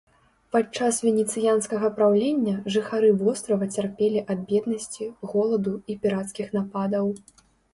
Падчас венецыянскага праўлення, жыхары вострава цярпелі ад беднасці, голаду і пірацкіх нападаў.